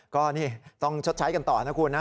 ก็นี่ต้องชดใช้กันต่อนะคุณนะ